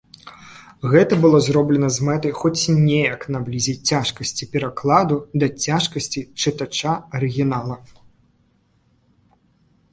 Гэта было зроблена з мэтай хоць неяк наблізіць цяжкасці перакладу да цяжкасцей чытача арыгінала.